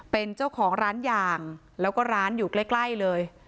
เป็นเจ้าของร้านยางแล้วก็ร้านอยู่ใกล้เลย